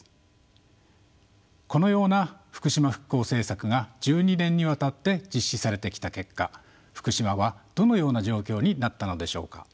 このような福島復興政策が１２年にわたって実施されてきた結果福島はどのような状況になったのでしょうか？